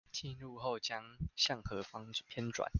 進入後將向何方偏轉？